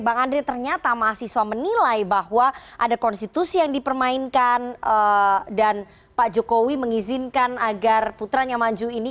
bang andre ternyata mahasiswa menilai bahwa ada konstitusi yang dipermainkan dan pak jokowi mengizinkan agar putranya maju ini